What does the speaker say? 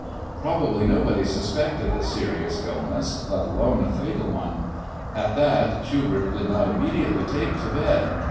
Probably nobody suspected a serious illness, let alone a fatal one. At that Schubert did not immediately take to bed.